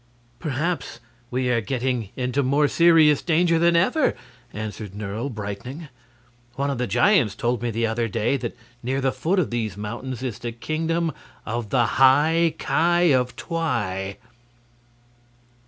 "Perhaps we are getting into more serious danger than ever," answered Nerle, brightening; "one of the giants told me the other day that near the foot of these mountains is the Kingdom of the High Ki of Twi."